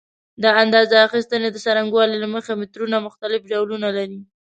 د اندازه اخیستنې د څرنګوالي له مخې مترونه مختلف ډولونه لري.